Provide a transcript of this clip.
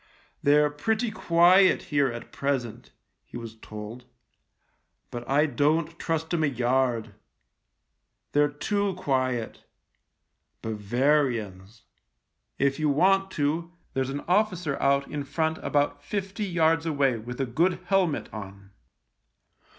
" They're pretty quiet here at present," he was told, " but I don't trust 'em a yard. They're too quiet. Bavarians. If you want THE LIEUTENANT 31 to, there's an officer out in front about fifty yards away with a good helmet on.